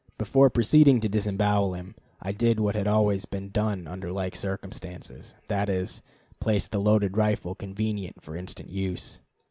Before proceeding to disembowel him, I did what had always been done under like circumstances that is, placed the loaded rifle convenient for instant use.